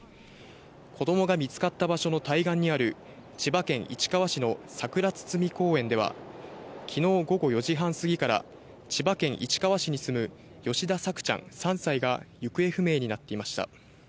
子供が見つかった場所の対岸にある、千葉県市川市のさくら堤公園では昨日午後４時半過ぎから千葉県市川市に住む吉田朔ちゃん、３歳が行方不明になっていました。